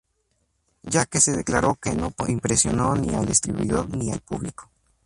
Ya que se declaró que ""no impresionó ni al distribuidor ni al público"".